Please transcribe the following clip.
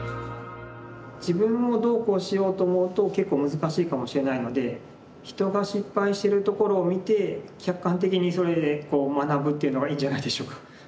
自分をどうこうしようと思うと結構難しいかもしれないので人が失敗してるところを見て客観的にそれで学ぶっていうのがいいんじゃないでしょうか。